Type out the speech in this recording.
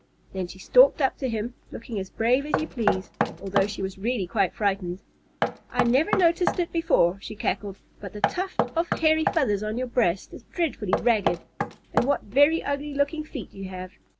Then she stalked up to him, looking as brave as you please, although she was really quite frightened. "I never noticed it before," she cackled, "but the tuft of hairy feathers on your breast is dreadfully ragged. And what very ugly looking feet you have!